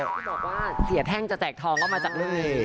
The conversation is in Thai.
พี่บอกว่าเสียแท่งจะแจกทองออกมาจากนึง